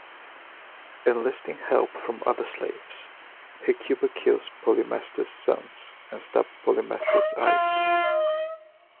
Enlisting help from other slaves, Hecuba kills Polymestor's sons and stabs Polymestor's eyes.